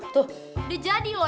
tuh udah jadi loh